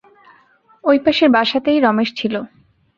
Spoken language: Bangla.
ঐ পাশের বাসাতেই রমেশ ছিল।